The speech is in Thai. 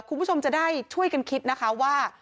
คุณผู้ชมจะได้ช่วยกันคิดนะคะว่า